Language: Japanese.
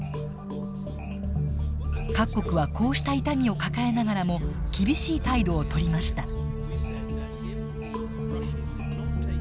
各国はこうした痛みを抱えながらも厳しい態度をとりました。